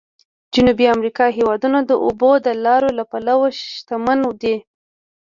د جنوبي امریکا هېوادونه د اوبو د لارو له پلوه شمن دي.